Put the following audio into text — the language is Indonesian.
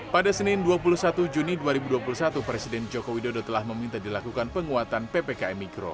pada senin dua puluh satu juni dua ribu dua puluh satu presiden joko widodo telah meminta dilakukan penguatan ppkm mikro